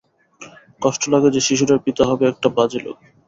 কষ্ট লাগে যে, শিশুটার পিতা হবে একটা বাজে লোক।